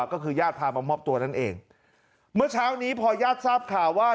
ก็คือญาติพามามอบตัวนั่นเองเมื่อเช้านี้พอญาติทราบข่าวว่า